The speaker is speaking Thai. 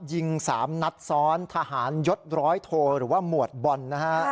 ยิง๓นัดซ้อนทหารยศร้อยโทหรือว่าหมวดบอลนะฮะ